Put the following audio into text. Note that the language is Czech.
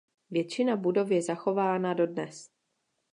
Většina budov je zachována dodnes.